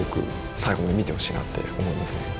最後まで見てほしいなって思いますね。